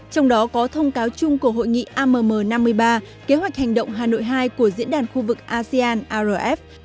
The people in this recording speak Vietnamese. trong đó có thông cáo chung của hội nghị amm năm mươi ba kế hoạch hành động hà nội hai của diễn đàn khu vực asean arf